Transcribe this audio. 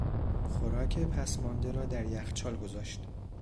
خوراک پس مانده را در یخچال گذاشت.